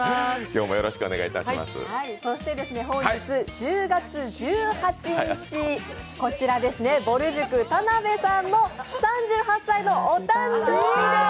そして本日１０月１８日ぼる塾・田辺さんの３８歳のお誕生日です！